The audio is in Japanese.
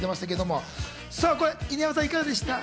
犬山さん、いかがでした？